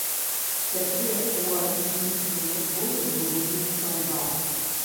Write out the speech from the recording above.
Цяпер у аргенцінскім футболе выбухнуў скандал.